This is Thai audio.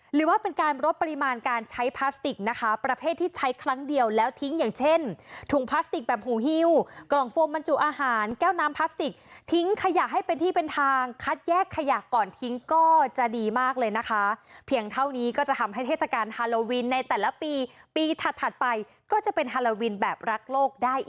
หรือว่าเป็นการลดปริมาณการใช้พลาสติกนะคะประเภทที่ใช้ครั้งเดียวแล้วทิ้งอย่างเช่นถุงพลาสติกแบบหูฮิวกล่องโฟมบรรจุอาหารแก้วน้ำพลาสติกทิ้งขยะให้เป็นที่เป็นทางคัดแยกขยะก่อนทิ้งก็จะดีมากเลยนะคะเพียงเท่านี้ก็จะทำให้เทศกาลฮาโลวินในแต่ละปีปีถัดถัดไปก็จะเป็นฮาโลวินแบบรักโลกได้